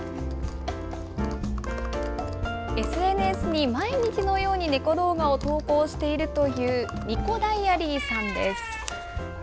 ＳＮＳに毎日のように猫動画を投稿しているという、ニコダイアリーさんです。